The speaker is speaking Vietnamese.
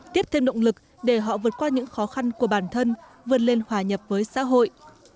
tiếp thêm động lực để họ vượt qua những khó khăn của bản thân vượt lên hòa nhập với xã hội